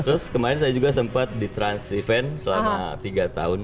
terus kemarin saya juga sempat di trans event selama tiga tahun